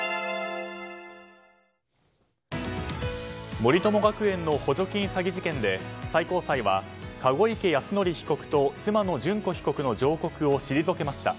森友学園の補助金詐欺事件で最高裁は籠池泰典被告と妻の諄子被告の上告を退けました。